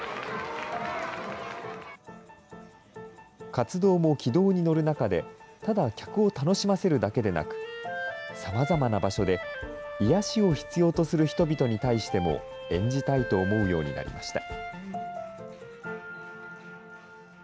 活動も軌道に乗る中で、ただ、客を楽しませるだけでなく、さまざまな場所で癒やしを必要とする人々に対しても、演じたいと思うようになりました。